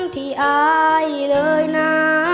ที่อายเลยนะ